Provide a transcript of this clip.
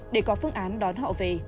để có phương án đón họ về